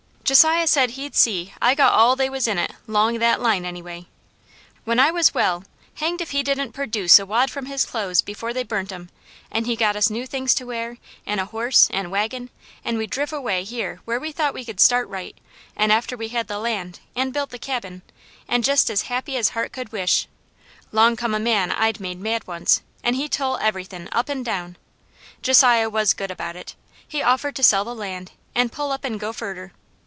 Josiah said he'd see I got all they was in it long that line, anyway. When I was well, hanged if he didn't perdooce a wad from his clothes before they burnt 'em, an' he got us new things to wear, an' a horse, an' wagon, an' we driv away here where we thought we could start right, an' after we had the land, an' built the cabin, an' jest as happy as heart could wish, long come a man I'd made mad once, an' he tole everythin' up and down. Josiah was good about it. He offered to sell the land, an' pull up an' go furder.